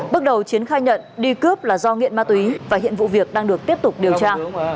bước đầu chiến khai nhận đi cướp là do nghiện ma túy và hiện vụ việc đang được tiếp tục điều tra